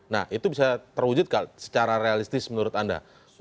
nah itu bisa terwujud secara realistis menurut anda